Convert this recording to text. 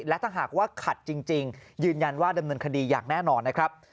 และถ้าหากว่าขัดจริงยืนยันว่าดำเนินคดีอย่างแน่นอนนะครับ